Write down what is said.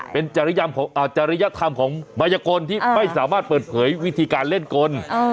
เป็นจริยธรรมของมายกลที่ไม่สามารถเปิดเผยวิธีการเล่นกล